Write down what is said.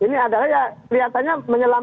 ini adalah ya kelihatannya menyelam